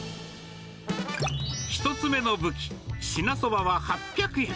１つ目の武器、支那そばは８００円。